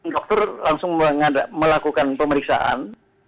dokter langsung melakukan pemeriksaan